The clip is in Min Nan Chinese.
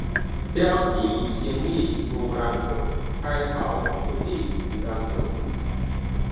了錢生理無人做，刣頭生理有人做